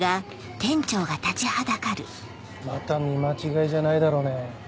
また見間違いじゃないだろうね。